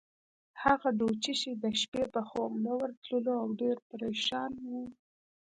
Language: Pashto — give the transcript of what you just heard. هغه ډوچي چې د شپې به خوب نه ورتلو، او ډېر پرېشان وو.